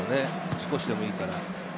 少しでもいいから。